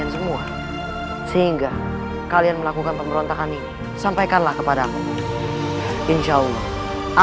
sungguh sikap raden sangat mulia